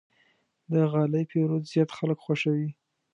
د غالۍ پېرود زیات خلک خوښوي.